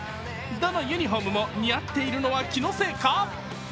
どのユニフォームも似合っているのは気のせいか？